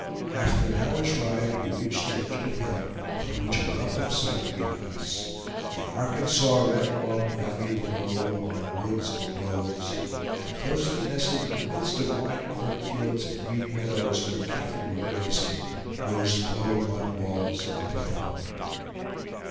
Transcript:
After an hour's ride we reached the edge of a hill, from which a welcome sight greeted us. The Arkansas ran along the valley below, among woods and groves, and closely nestled in the midst of wide cornfields and green meadows where cattle were grazing rose the low mud walls of the Pueblo.